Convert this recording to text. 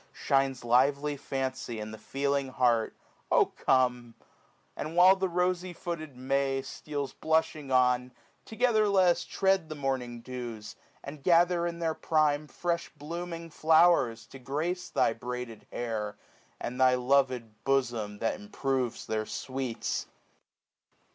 Shines lively fancy and the feeling heart : 485 Oh come ! and while the rosy footed May Steals blushing on, together let us tread The moming de^s, and gather in their prime D 2 20 SPRING. Fresh blooming flowers, to grace thy braided hair. And thy lov*d bosom that improves their sweets.